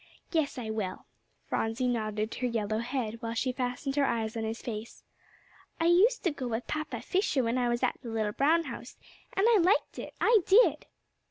"Yes, I will." Phronsie nodded her yellow head, while she fastened her eyes on his face. "I used to go with Papa Fisher when I was at the little brown house, and I liked it; I did."